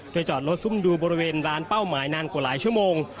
โดยจอดรถซุ่มดูบริเวณร้านเป้าหมายนานกว่าหลายชั่วโมง